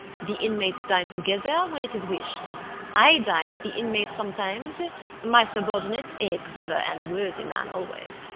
The inmates dine together when it is wished. I dine with the inmates sometimes; my subordinate, a clever and a worthy man always.